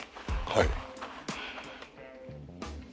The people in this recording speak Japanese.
はい。